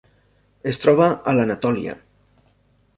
Es troba a l'Anatòlia.